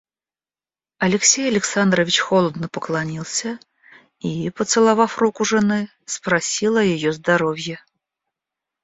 Алексей Александрович холодно поклонился и, поцеловав руку жены, спросил о ее здоровье.